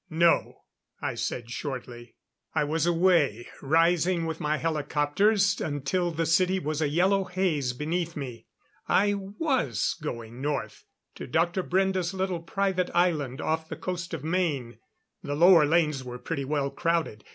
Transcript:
"No," I said shortly. I was away, rising with my helicopters until the city was a yellow haze beneath me. I was going north to Dr. Brende's little private island off the coast of Maine. The lower lanes were pretty well crowded.